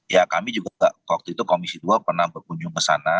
ya kami juga waktu itu komisi dua pernah berkunjung ke sana